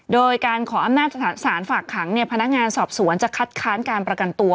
โดยการขออำนาจสารฝากขังพนักงานสอบสวนจะคัดค้านการประกันตัว